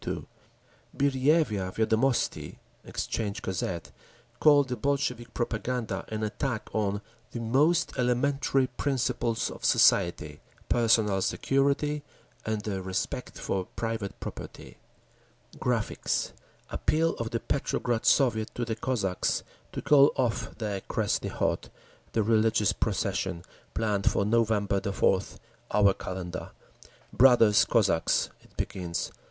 2) Birjevya Viedomosti (Exchange Gazette) called the Bolshevik propaganda an attack on "the most elementary principles of society—personal security and the respect for private property." [Graphic, page 46: Appeal of the Petrograd Soviet] Appeal of the Petrograd Soviet to the Cosacks to call off their Krestny Khod—the religious procession planned for November 4th (our calendar). "Brothers—Cossacks!" it begins.